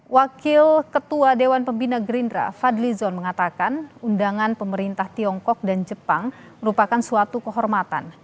wakil ketua dewan pembina gerindra fadli zon mengatakan undangan pemerintah tiongkok dan jepang merupakan suatu kehormatan